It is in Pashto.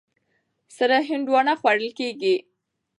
سره هندوانه خوړل کېږي.